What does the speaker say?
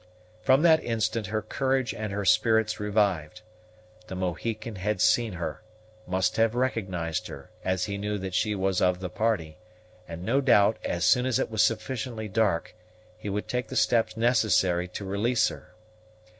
From that instant her courage and her spirits revived. The Mohican had seen her; must have recognized her, as he knew that she was of the party; and no doubt, as soon as it was sufficiently dark, he would take the steps necessary to release her.